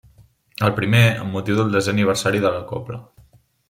El primer, amb motiu del desè aniversari de la cobla.